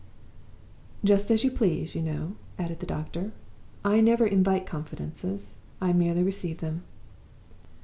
"'Just as you please, you know,' added the doctor. 'I never invite confidences. I merely receive them.